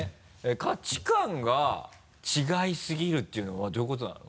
価値観が違いすぎるっていうのはどういうことなの？